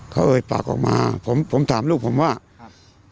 เขาเอ่ยปากออกมาผมผมถามลูกผมว่าครับ